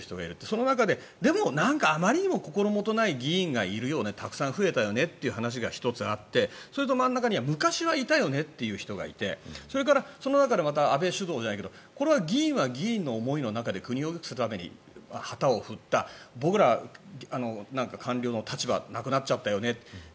その中で、でも、あまりにも心もとない議員がいるよねたくさん増えたよねという話が１つあってそれと真ん中には昔はいたよねという人がいてそれから、その中でまた安倍主導じゃないけどこれは議員は議員の思いの中で国をよくするために旗を振った僕ら、官僚の立場なくなっちゃったよね。